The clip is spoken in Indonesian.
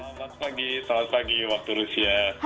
selamat pagi selamat pagi waktu rusia